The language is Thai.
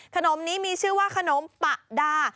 ขนมนี้มีชื่อว่าขนมปะดา